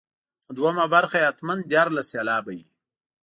دوهمه برخه یې حتما دیارلس سېلابه وي.